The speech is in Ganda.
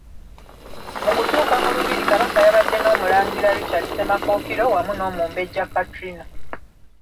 Mu kutuuka mu lubiri Kabaka yabadde n’Omulangira Richard Ssemakookiro wamu n’Omumbejja Katrina.